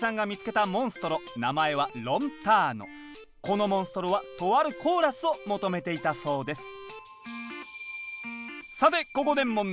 このモンストロはとあるコーラスを求めていたそうです。